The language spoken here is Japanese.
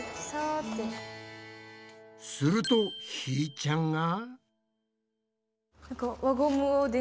するとひーちゃんが！